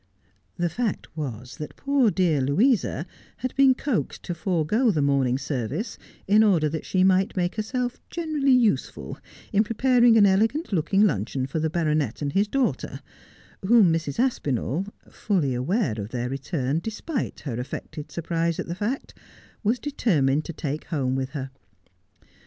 The fact was that poor dear Louisa had been coaxed to forego the morning service in order that she might make herself generally useful in preparing an elegant looking luncheon for the baronet and his daughter, whom Mrs. Aspinall — fully aware of their return, despite her affected surprise at that fact — was deter mined to take home with her.